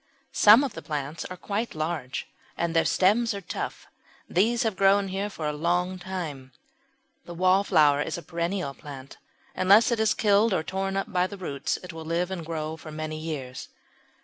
Some of the plants are quite large and their stems are tough. These have grown here for a long time. The Wallflower is a perennial plant; unless it is killed or torn up by the roots it will live and grow for many years.